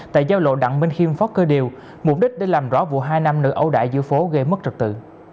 tại giao lộ đặng minh khiêm phó cơ điều mục đích để làm rõ vụ hai nam nữ ậu đại giữa phố gây mất trật tự